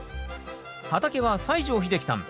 畑は西城秀樹さん